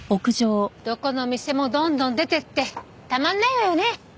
どこの店もどんどん出ていってたまんないわよね。